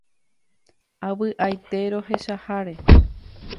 Avy'aite rohecháre.